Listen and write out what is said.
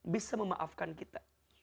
bisa memaafkan kita